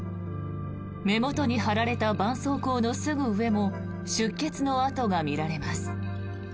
目元に貼られたばんそうこうのすぐ上も出血の跡が見られます。